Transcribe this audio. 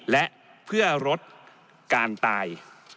และเพื่อลดการตาย